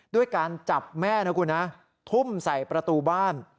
ด้วยการจับแม่นะคุณนะทุ่มใส่ประตูบ้าน